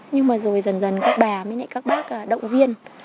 nhưng mà rồi dần dần các bà mới các bác động viên